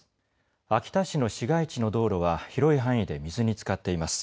秋田市の市街地の道路は広い範囲で水につかっています。